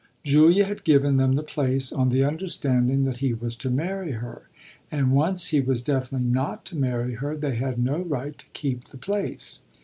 Julia had given them the place on the understanding that he was to marry her, and once he was definitely not to marry her they had no right to keep the place.